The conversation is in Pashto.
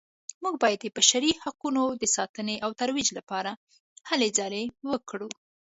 موږ باید د بشري حقونو د ساتنې او ترویج لپاره هلې ځلې وکړو